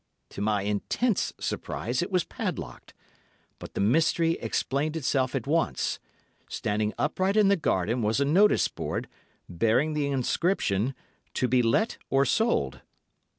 To my intense surprise it was padlocked, but the mystery explained itself at once—standing upright in the garden was a notice board, bearing the inscription, 'To be Let or Sold.